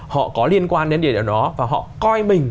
họ có liên quan đến địa điểm đó và họ coi mình